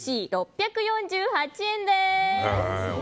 ６４８円です。